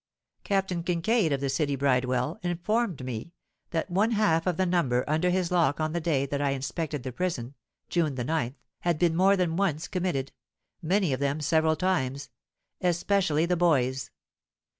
"Captain Kincaid, of the City Bridewell, informed me that one half of the number under his lock on the day that I inspected the prison (June the 9th) had been more than once committed, many of them several times, especially the boys.